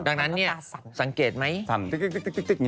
ดังนั้นเนี้ยสังเกตรมั้ย